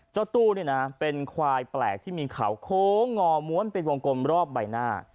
เจ้าตู้เนี่ยนะเป็นควายแปลกที่มีเขาโค้งงอม้วนเป็นวงกลมรอบใบหน้า